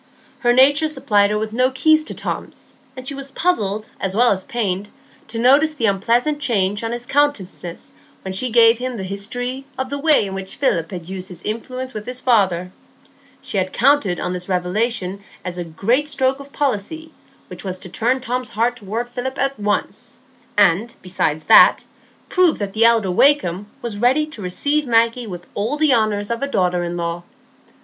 Her nature supplied her with no key to Tom's; and she was puzzled as well as pained to notice the unpleasant change on his countenance when she gave him the history of the way in which Philip had used his influence with his father. She had counted on this revelation as a great stroke of policy, which was to turn Tom's heart toward Philip at once, and, besides that, prove that the elder Wakem was ready to receive Maggie with all the honours of a daughter in law.